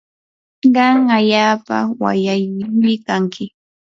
qam allaapa wayllaayumi kanki.